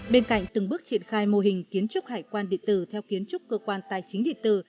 bên cạnh từng bước triển khai mô hình kiến trúc hải quan địa tử theo kiến trúc cơ quan tài chính địa tử